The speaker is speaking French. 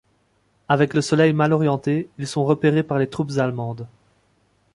Avec le soleil mal orienté, ils sont repérés par les troupes allemandes.